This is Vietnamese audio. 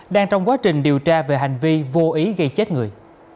đang trong quá trình điều tra về hành vi vô ý gây chết người